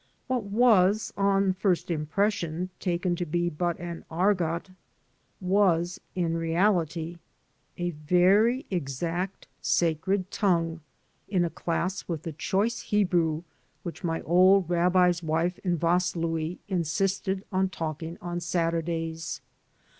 What was on first impression taken to be but an argot was in reality 216 THE AMERICAN AS HE IS a very exact sacred tongue, in a class with the choice Hebrew which my old rabbi's wife in Vaslui insisted on talking on Saturdays.